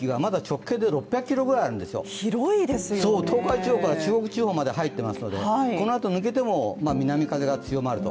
東海地方から中国地方まで入ってますのでこのあと抜けても、南風が強まると。